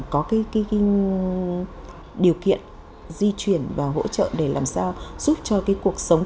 có cái điều kiện di chuyển và hỗ trợ để làm sao giúp cho cái cuộc sống